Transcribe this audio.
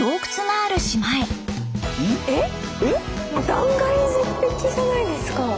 断崖絶壁じゃないですか！